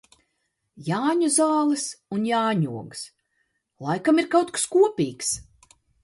Jāņu zāles un jāņogas. Laikam ir kaut kas kopīgs?